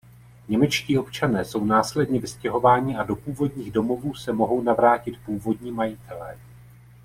Němečtí občané jsou následně vystěhováni a do původních domovů se mohou navrátit původní majitelé.